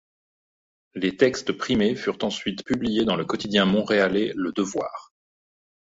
Les textes primés furent ensuite publiés dans le quotidien montréalais Le Devoir.